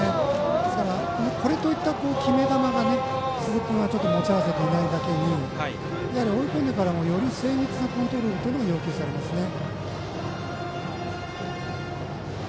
ですから、これといった決め球を鈴木君は持ち合わせていないだけに追い込んでからより精密なコントロールも要求されますよね。